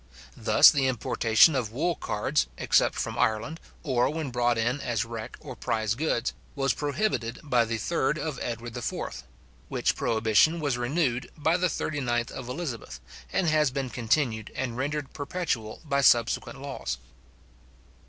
Thus the importation of wool cards, except from Ireland, or when brought in as wreck or prize goods, was prohibited by the 3rd of Edward IV.; which prohibition was renewed by the 39th of Elizabeth, and has been continued and rendered perpetual by subsequent laws.